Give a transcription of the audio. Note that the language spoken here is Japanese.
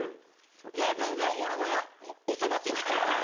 いや全然俺は押せますよ。